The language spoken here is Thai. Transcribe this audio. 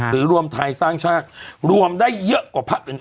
ขือรวมทายสร้างชาติรวมได้เยอะกว่าภักดิ์อื่น